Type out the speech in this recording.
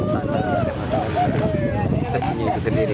karena kita sendiri